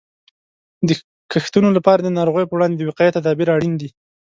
د کښتونو لپاره د ناروغیو په وړاندې د وقایې تدابیر اړین دي.